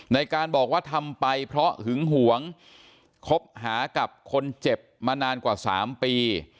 ในการบอกว่าทำไปเพราะหึงหวงคบหากับคนเจ็บมานานกว่า๓ปี